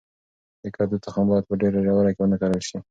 د کدو تخم باید په ډیره ژوره کې ونه کرل شي.